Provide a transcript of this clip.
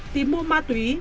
tìm mua ma túy